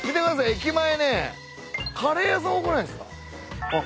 駅前ねカレー屋さん多くないっすか？